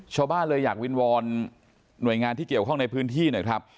ชาวบ้านเลยอยากวิงวอนหน่วยงานที่เกี่ยวข้องในพื้นที่หน่อยครับ